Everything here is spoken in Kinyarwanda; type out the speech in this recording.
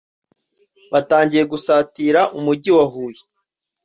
Batangiye gusatira umujyi wa Huye